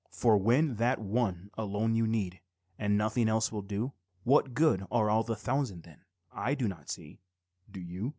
For when that one alone you need, And nothing else will do, What good are all the thousand then? I do not see; do you?